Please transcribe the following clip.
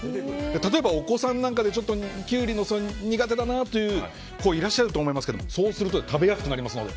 例えばお子さんなんかでキュウリが苦手だなという子がいらっしゃると思いますけどそうすると食べやすくなります。